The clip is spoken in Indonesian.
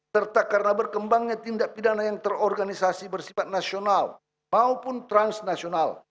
serta karena berkembangnya tindak pidana yang terorganisasi bersifat nasional maupun transnasional